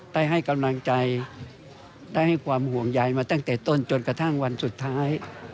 ได้ให้กำลังใจได้ให้ความห่วงใยมาตั้งแต่ต้นจนกระทั่งวันสุดท้าย